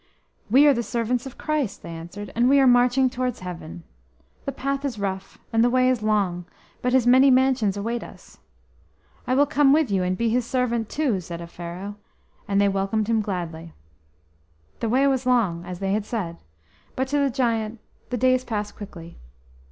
"We are the servants of Christ," they answered, "and we are marching towards Heaven. The path is rough, and the way is long, but His many mansions await us." "I will come with you, and be His servant too!" said Offero, and they welcomed him gladly. The way was long, as they had said, but to the giant the days passed quickly.